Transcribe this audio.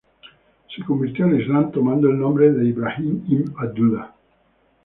Se convirtió al islam, tomando el nombre de "Ibrahim ibn Abdullah".